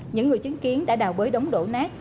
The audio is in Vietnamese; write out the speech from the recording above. những người chứng kiến đã đào bới đống đổ nát